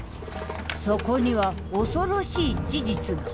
そこには恐ろしい事実が。